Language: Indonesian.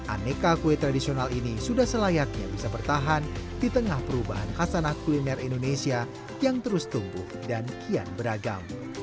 aneka kue tradisional ini sudah selayaknya bisa bertahan di tengah perubahan khasanah kuliner indonesia yang terus tumbuh dan kian beragam